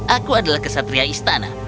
aku adalah kesatria istana